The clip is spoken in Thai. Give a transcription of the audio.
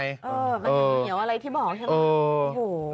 มันจะเหนียวอะไรที่บอกใช่ไหม